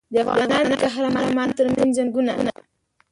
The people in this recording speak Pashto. د افغانانو د قهرمانانو ترمنځ جنګونه.